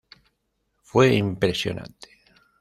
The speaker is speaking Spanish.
Fue impresionante.